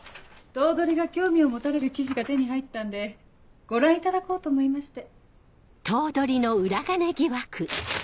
頭取が興味を持たれる記事が手に入ったんでご覧いただこうと思いまして。